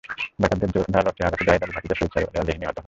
ডাকাতদের ধারালো অস্ত্রের আঘাতে জাহেদ আলীর ভাতিজা সৈয়দ সরোয়ার আলী আহত হন।